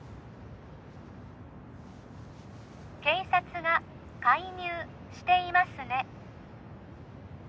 警察が介入していますね